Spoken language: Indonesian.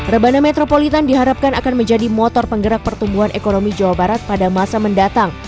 rebana metropolitan diharapkan akan menjadi motor penggerak pertumbuhan ekonomi jawa barat pada masa mendatang